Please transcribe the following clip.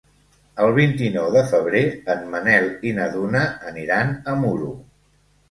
El vint-i-nou de febrer en Manel i na Duna aniran a Muro.